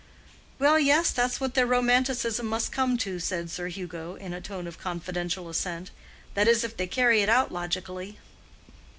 "Well, yes, that's what their romanticism must come to," said Sir Hugo, in a tone of confidential assent—"that is if they carry it out logically."